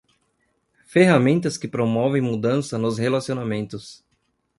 Ferramentas que promovem mudanças nos relacionamentos.